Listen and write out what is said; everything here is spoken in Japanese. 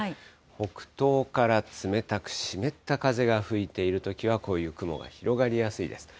北東から冷たく湿った風が吹いているときは、こういう雲が広がりやすいです。